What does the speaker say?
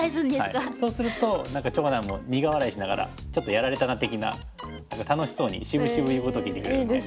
そうすると何か長男も苦笑いしながらちょっとやられたな的な楽しそうにしぶしぶ言うこと聞いてくれるので。